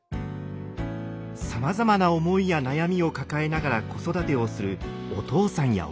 さまざまな思いや悩みを抱えながら子育てをするお父さんやお母さん。